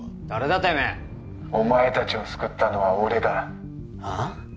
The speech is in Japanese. てめえお前達を救ったのは俺だああ？